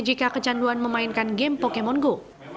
jika kecanduan memainkan game pokemon go